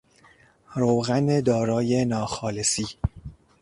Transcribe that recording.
روغن دارای ناخالصی